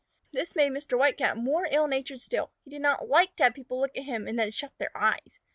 This made Mr. White Cat more ill natured still. He did not like to have people look at him and then shut their eyes.